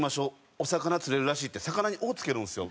お魚釣れるらしい」って魚に「お」付けるんですよ。